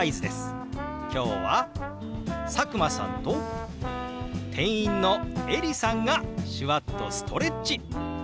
今日は佐久間さんと店員のエリさんが手話っとストレッチ！